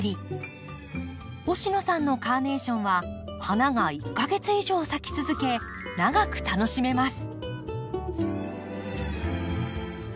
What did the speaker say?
星野さんのカーネーションは花が１か月以上咲き続け長く楽しめます。